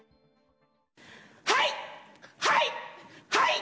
はいはいはい！